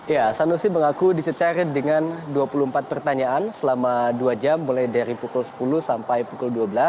ya sanusi mengaku dicecar dengan dua puluh empat pertanyaan selama dua jam mulai dari pukul sepuluh sampai pukul dua belas